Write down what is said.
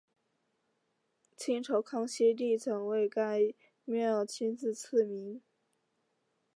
清朝康熙帝曾为该庙亲自赐名。